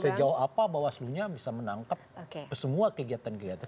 sejauh apa bawaslu nya bisa menangkap semua kegiatan kegiatan